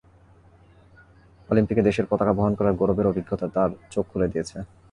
অলিম্পিকে দেশের পতাকা বহন করার গৌরবের অভিজ্ঞতা তাঁর চোখ খুলে দিয়েছে।